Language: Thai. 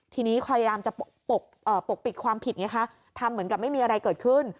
ทีนี้พยายามจะปกปิดความผิดไงคะทำเหมือนกับไม่มีอะไรเกิดขึ้น